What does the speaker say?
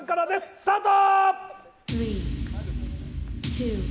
スタート！